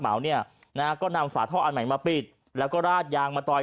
เหมาเนี่ยนะฮะก็นำฝาท่ออันใหม่มาปิดแล้วก็ราดยางมาต่อย